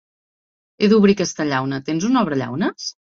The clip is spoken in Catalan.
He d'obrir aquesta llauna. Tens un obrellaunes?